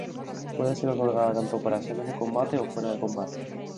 Puede ser otorgada tanto por acciones de combate o fuera de combate.